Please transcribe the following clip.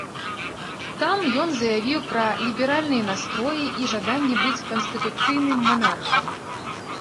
Там ён заявіў пра ліберальныя настроі і жаданне быць канстытуцыйным манархам.